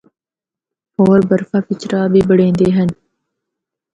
ہور برفا بچ راہ بھی بنڑیندے ہن۔